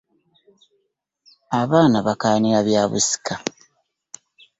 Abaana bakayanira bya busika.